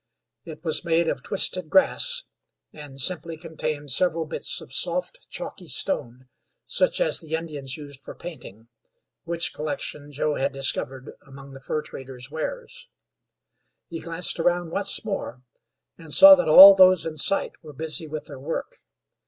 It was made of twisted grass, and simply contained several bits of soft, chalky stone such as the Indians used for painting, which collection Joe had discovered among the fur trader's wares. He glanced around once more, and saw that all those in sight were busy with their work.